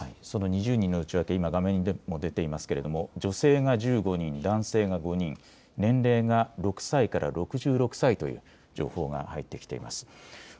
その２０人の内訳、今画面にも出ていますが女性が１５人、男性が５人、年齢が６歳から６６歳という情報が入ってきています。